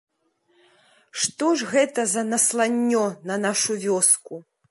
Што ж гэта за насланнё на нашу вёску?